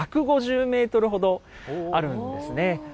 １５０メートルほどあるんですね。